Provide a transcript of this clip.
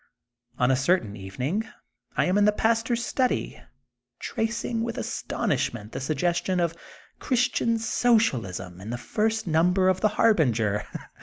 On a certain evening I am in the pastor's study tracing with astonishment the sugges tion of Christian Socialism in the first num ber of the Harbinger.